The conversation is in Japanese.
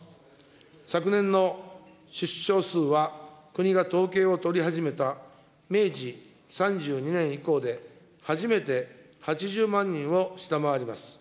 昨年の出生数は国が統計を取り始めた明治３２年以降で、初めて８０万人を下回ります。